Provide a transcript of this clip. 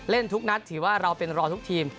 ทุกนัดถือว่าเราเป็นรอทุกทีม